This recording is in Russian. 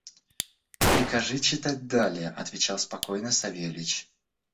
– Прикажи читать далее, – отвечал спокойно Савельич.